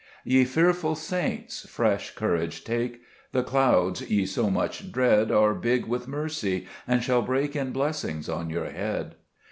3 Ye fearful saints, fresh courage take ; The clouds ye so much dread Are big with mercy, and shall break In blessings on your head.